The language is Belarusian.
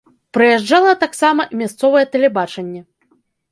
Прыязджала таксама і мясцовае тэлебачанне.